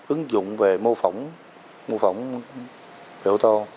ứng dụng về mô phỏng mô phỏng hiệu thô